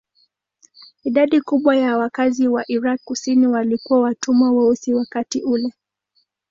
Idadi kubwa ya wakazi wa Irak kusini walikuwa watumwa weusi wakati ule.